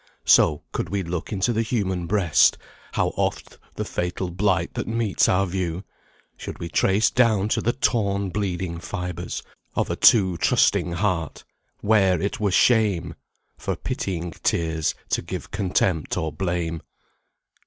So, could we look into the human breast, How oft the fatal blight that meets our view, Should we trace down to the torn, bleeding fibres Of a too trusting heart where it were shame, For pitying tears, to give contempt or blame."